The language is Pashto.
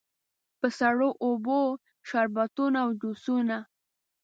په سړو اوبو، شربتونو او جوسونو.